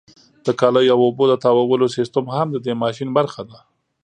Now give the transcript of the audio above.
د کالیو او اوبو د تاوولو سیستم هم د دې ماشین برخه ده.